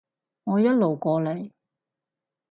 我一路過嚟